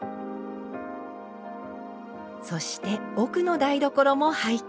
そして奥の台所も拝見。